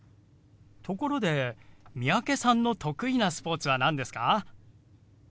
ところで三宅さんの得意なスポーツは何ですか？